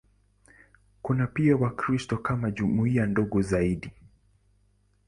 Kuna pia Wakristo kama jumuiya ndogo zaidi.